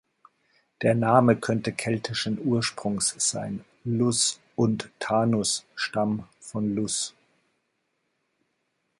Der Name könnte keltischen Ursprungs sein: „Lus“ und „Tanus“, „Stamm von Lus“.